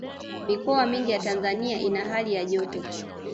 mikoa mingi ya tanzania ina hali ya joto